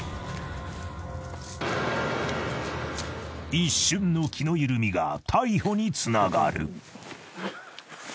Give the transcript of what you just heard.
［一瞬の気の緩みが逮捕につながる］